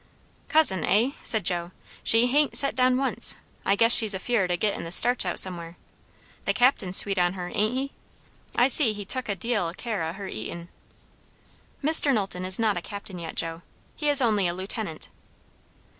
"Cousin, eh," said Joe. "She hain't set down once. I guess she's afeard o' gettin' the starch out somewhere. The captain's sweet on her, ain't he? I see he tuk a deal o' care o' her eatin'." "Mr. Knowlton is not a captain yet, Joe; he is only a lieutenant."